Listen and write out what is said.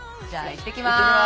行ってきます。